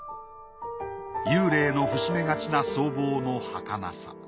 幽霊の伏し目がちな相貌のはかなさ。